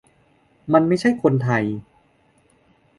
มันไม่ใช่คนไทย